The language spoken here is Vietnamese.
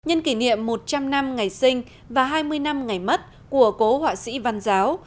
nhân kỷ niệm một trăm linh năm ngày sinh và hai mươi năm ngày mất của cố họa sĩ văn giáo